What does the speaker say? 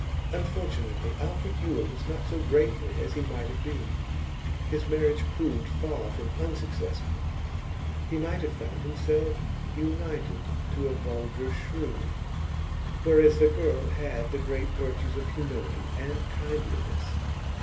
Unfortunately, Alfred Yule was not so grateful as he might have been. His marriage proved far from unsuccessful; he might have found himself united to a vulgar shrew, whereas the girl had the great virtues of humility and kindliness.